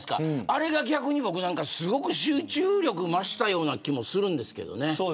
あれが逆に、すごく集中力を増したような気もするんですけれどね。